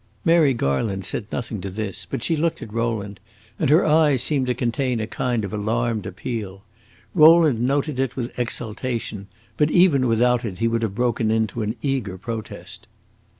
Mary Garland said nothing to this; but she looked at Rowland, and her eyes seemed to contain a kind of alarmed appeal. Rowland noted it with exultation, but even without it he would have broken into an eager protest.